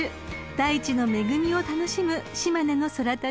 ［大地の恵みを楽しむ島根の空旅です］